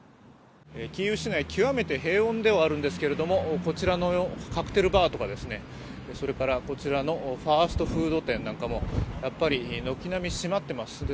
キーウ市内、極めて平穏ではあるんですけれどもこちらのカクテルバーとかこちらのファーストフード店なんかもやっぱり軒並み閉まってます。